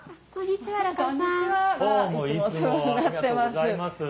いつもお世話になっております。